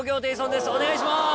お願いします！